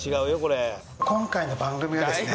今回の番組はですね